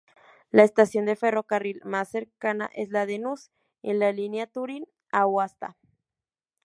La estación de ferrocarril más cercana es la de Nus, en la línea Turín-Aosta.